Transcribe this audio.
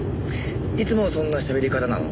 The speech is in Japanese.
いつもそんなしゃべり方なの？